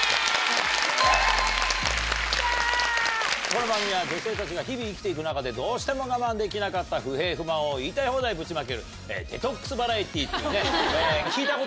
この番組は女性たちが日々生きて行く中でどうしても我慢できなかった不平不満を言いたい放題ぶちまけるデトックスバラエティーっていうね。